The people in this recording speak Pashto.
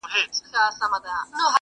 • چي په هغو کي « زموږ شهید سوي عسکر» -